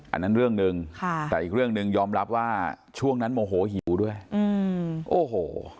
อันนั้นเรื่องหนึ่งค่ะแต่อีกเรื่องหนึ่งยอมรับว่าช่วงนั้นโมโหหิวด้วยอืมโอ้โห